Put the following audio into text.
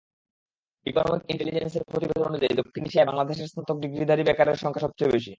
Economic ইন্টেলিজেন্সের প্রতিবেদন অনুযায়ী, দক্ষিণ এশিয়ায় বাংলাদেশে স্নাতক ডিগ্রিধারী বেকারের সংখ্যা সবচেয়ে বেশি।